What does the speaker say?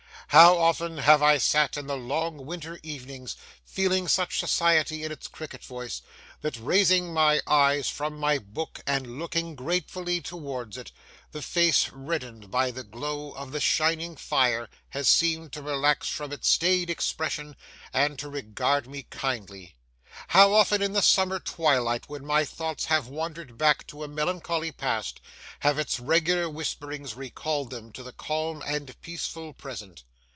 How often have I sat in the long winter evenings feeling such society in its cricket voice, that raising my eyes from my book and looking gratefully towards it, the face reddened by the glow of the shining fire has seemed to relax from its staid expression and to regard me kindly! how often in the summer twilight, when my thoughts have wandered back to a melancholy past, have its regular whisperings recalled them to the calm and peaceful present!